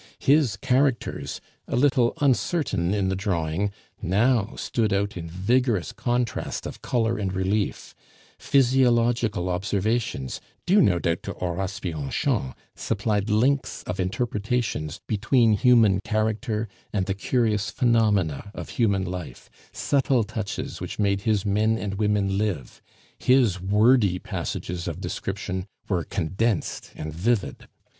His characters, a little uncertain in the drawing, now stood out in vigorous contrast of color and relief; physiological observations, due no doubt to Horace Bianchon, supplied links of interpretations between human character and the curious phenomena of human life subtle touches which made his men and women live. His wordy passages of description were condensed and vivid.